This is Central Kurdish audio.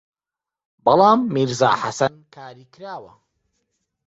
بەڵام «میرزا حەسەن» کاری کراوە